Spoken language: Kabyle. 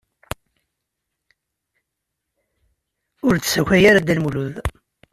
Ur d-ssakay ara Dda Lmulud.